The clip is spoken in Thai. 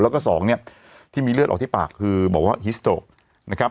แล้วก็สองเนี่ยที่มีเลือดออกที่ปากคือบอกว่าฮิสโตรกนะครับ